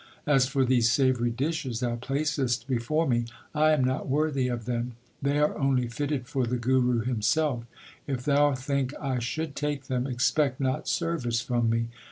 As for these savoury dishes thou placest before me, I am not worthy of them. They are only fitted for the Guru himself. If thou think I should take them, expect not service from me.